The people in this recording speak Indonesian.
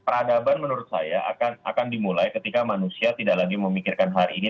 ya peradaban menurut saya akan dimulai ketika manusia tidak memiliki kemampuan untuk memiliki kemampuan